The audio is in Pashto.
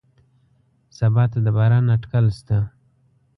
سبا ته د باران اټکل شته